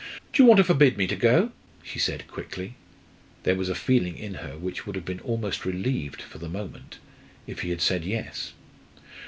"Do you want to forbid me to go?" she said quickly. There was a feeling in her which would have been almost relieved, for the moment, if he had said yes.